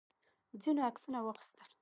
ځینو عکسونه واخیستل.